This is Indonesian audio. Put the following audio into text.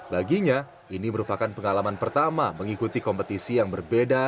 baginya ini merupakan pengalaman pertama mengikuti kompetisi yang berbeda